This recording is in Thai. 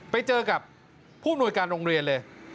ไปเจอกับผู้อำนวยการโรงเรียนเลย